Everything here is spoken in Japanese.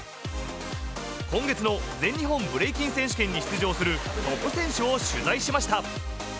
今月の全日本ブレイキン選手権に出場するトップ選手を取材しました。